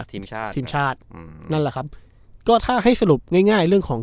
ทีมชาติทีมชาติอืมนั่นแหละครับก็ถ้าให้สรุปง่ายง่ายเรื่องของ